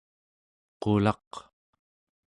qulaq